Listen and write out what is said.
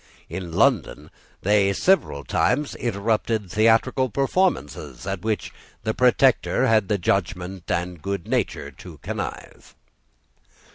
In London they several times interrupted theatrical performances at which the Protector had the judgment and good nature to connive.